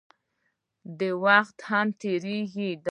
داوخت هم تېريږي